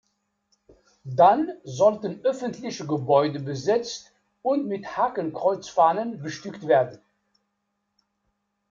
Dann sollten öffentliche Gebäude besetzt und mit Hakenkreuzfahnen bestückt werden.